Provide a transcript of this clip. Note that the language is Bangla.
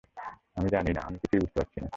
আমি জানি না, আমি কিছুই বুঝতে পারছি না।